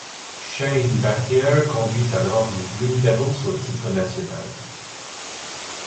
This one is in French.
Shane Battier conduit alors les Blue Devils au titre national.